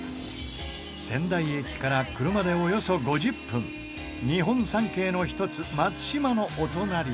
仙台駅から車でおよそ５０分日本三景の１つ、松島のお隣